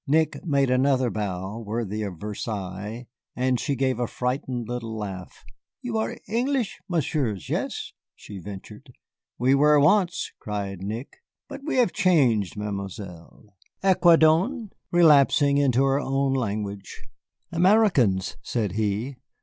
Nick made another bow, worthy of Versailles, and she gave a frightened little laugh. "You are English, Messieurs yes?" she ventured. "We were once!" cried Nick, "but we have changed, Mademoiselle." "Et quoi donc?" relapsing into her own language. "Americans," said he.